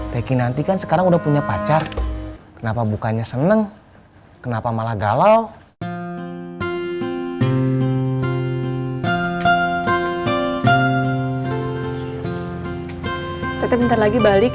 tuh itu lagu yang kita pake bahasa inggris